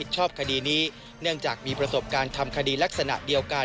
จอบประเด็นจากรายงานของคุณศักดิ์สิทธิ์บุญรัฐครับ